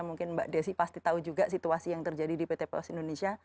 mungkin mbak desi pasti tahu juga situasi yang terjadi di pt pos indonesia